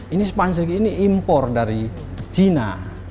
ini sepanjang ini impor dari china